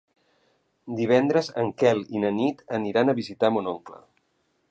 Divendres en Quel i na Nit aniran a visitar mon oncle.